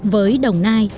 với đồng nai